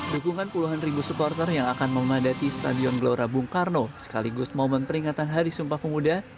dukungan puluhan ribu supporter yang akan memadati stadion gelora bung karno sekaligus momen peringatan hari sumpah pemuda